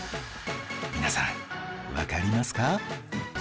皆さんわかりますか？